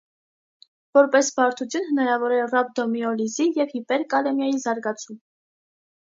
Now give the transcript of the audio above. Որպես բարդություն հնարավոր է ռաբդոմիոլիզի և հիպերկալեմիայի զարգացում։